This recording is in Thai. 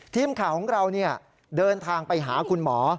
ทีมข่าวของเราเดินทางไปหาคุณหมอ